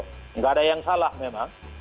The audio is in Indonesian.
tidak ada yang salah memang